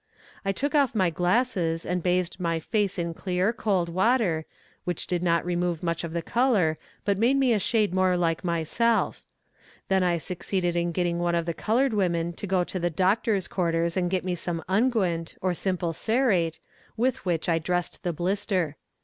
I took off my glasses and bathed my face in clear, cold water, which did not remove much of the color, but made me a shade more like myself; then I succeeded in getting one of the colored women to go to the doctor's quarters and get me some unguent, or simple cerate, with which I dressed the blister.